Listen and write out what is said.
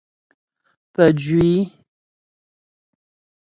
Pəjwî.